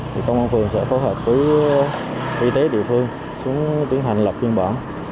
thì công an phường sẽ phối hợp với y tế địa phương xuống tiến hành lập biên bản